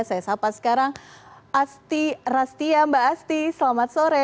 saya sapa sekarang asti rastia mbak asti selamat sore